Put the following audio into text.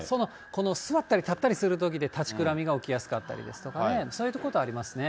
この座ったり立ったりするときで立ちくらみが起きやすかったりですとか、そういったことありますね。